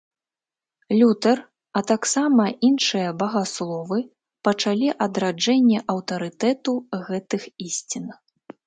Лютэр, а таксама іншыя багасловы пачалі адраджэнне аўтарытэту гэтых ісцін.